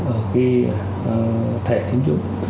ở cái thẻ tín dụng